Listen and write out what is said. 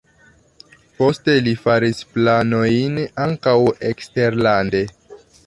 Poste li faris planojn ankaŭ eksterlande.